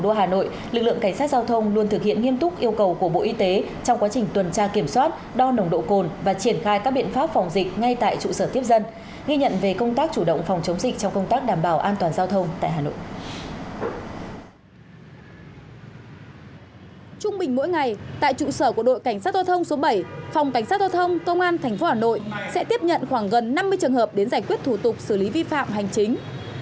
trung bình mỗi ngày tại trụ sở của đội cảnh sát thông số bảy phòng cảnh sát thông công an tp hà nội sẽ tiếp nhận khoảng gần năm mươi trường hợp đến giải quyết thủ tục xử lý vi phạm hành chính